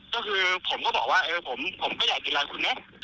ก็คือผมก็บอกว่าผมก็อยากกินร้านคุณเนี่ย